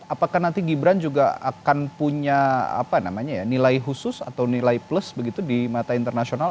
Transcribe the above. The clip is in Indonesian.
apakah nanti gibran juga akan punya nilai khusus atau nilai plus begitu di mata internasional